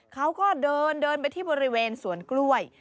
เขาก็เดินเดินไปที่บริเวณสวนกล้วย